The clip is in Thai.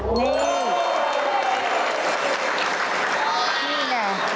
นี่แหละ